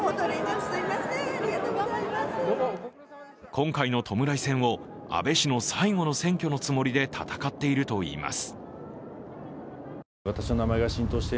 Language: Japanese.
今回の弔い戦を安倍氏の最後の選挙のつもりで戦っているといいます。